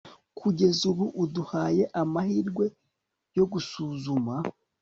Kugeza ubu uduhaye amahirwe yo gusuzuma